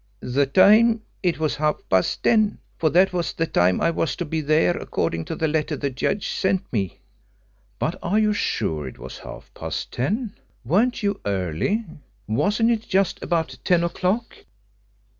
"The time it was half past ten, for that was the time I was to be there according to the letter the judge sent me." "But are you sure it was half past ten? Weren't you early? Wasn't it just about ten o'clock?"